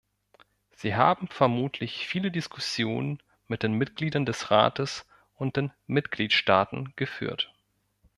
Sie haben vermutlich viele Diskussionen mit den Mitgliedern des Rates und den Mitgliedstaaten geführt.